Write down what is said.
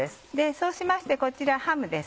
そうしましてこちらハムです。